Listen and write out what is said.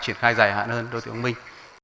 triển khai dài hạn hơn đô thị thông minh